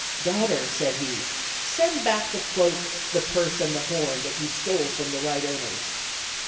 "Daughter," said he, "send back the cloak, the purse, and the horn, that you stole from the right owners."